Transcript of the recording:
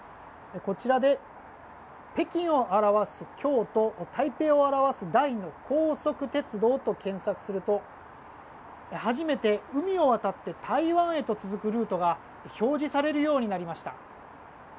こちらで北京を表す京と台北を表す台の高速鉄道と検索すると初めて海を渡って台湾へと続くルートが表示されるようになりました。